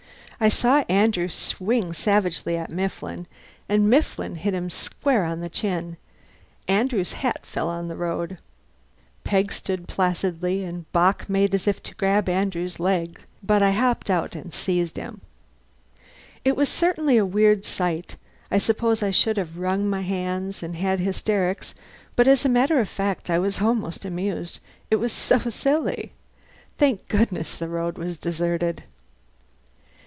I saw Andrew swing savagely at Mifflin, and Mifflin hit him square on the chin. Andrew's hat fell on the road. Peg stood placidly, and Bock made as if to grab Andrew's leg, but I hopped out and seized him. It was certainly a weird sight. I suppose I should have wrung my hands and had hysterics, but as a matter of fact I was almost amused, it was so silly. Thank goodness the road was deserted.